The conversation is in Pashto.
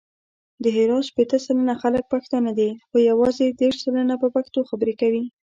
د هرات شپېته سلنه خلګ پښتانه دي، خو یوازې دېرش سلنه په پښتو خبري کوي.